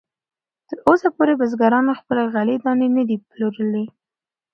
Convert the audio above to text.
تراوسه پورې بزګرانو خپلې غلې دانې نه دي پلورلې.